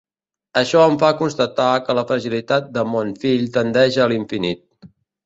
Això em fa constatar que la fragilitat de mon fill tendeix a l'infinit.